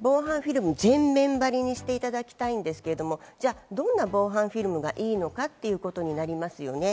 防犯フィルムを全面貼りにしていただきたいんですが、どんな防犯フィルムがいいのかということになりますよね。